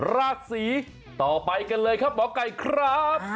ราศีต่อไปกันเลยครับหมอไก่ครับ